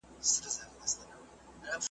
راته په مینه چې جانان نۀ ګوري